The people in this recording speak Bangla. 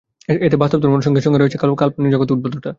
এতে বাস্তবধর্মী অনুষঙ্গের সঙ্গে রয়েছে কল্পজাগতিক উদ্ভটতা।